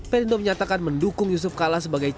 perindo menyatakan mendukung yusuf kalla sebagai cipta